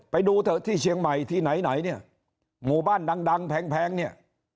ไปดูเถอะที่เชียงใหม่ที่ไหนไหนเนี่ยหมู่บ้านดังแพงเนี่ย